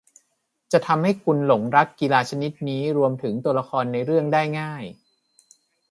จะทำให้คุณหลงรักกีฬาชนิดนี้รวมถึงตัวละครในเรื่องได้ง่าย